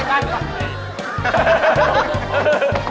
นักหน้าฝักชี